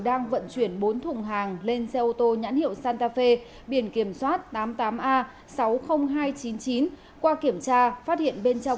đang vận chuyển bốn thùng hàng lên xe ô tô nhãn hiệu santafe biển kiểm soát tám mươi tám a sáu mươi nghìn hai trăm chín mươi chín qua kiểm tra phát hiện bên trong